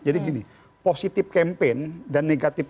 jadi gini positif campaign dan negatif